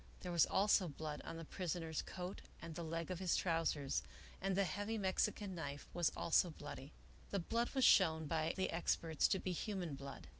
There was also blood on the prisoner's coat and the leg of his trousers, and the heavy Mexican knife was also bloody. The blood was shown by the experts to be human blood.